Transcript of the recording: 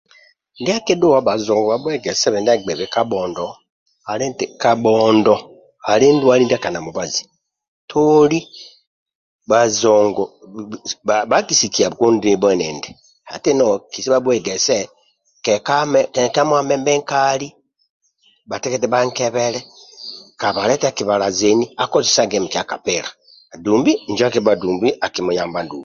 Ndia kidhuwa bazongo babuhegesebhe ndia bgananibhe na ndwali sya kabhondo ali nti kabhondo ali ndwali ndia kali na mubazi toli bazongo bakisikiyaku ndobho endindi ati no kesi babuhegese keka mwamrmbe nkali batekete ba nkebhele kabale eti akibhala zeni akozesage kapila dumbi injo akibha dumbi akimuyamba ndulu